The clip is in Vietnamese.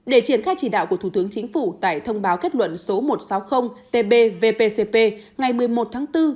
để triển khai chỉ đạo của thủ tướng chính phủ tại thông báo kết luận số một trăm sáu mươi tb vpcp ngày một mươi một tháng bốn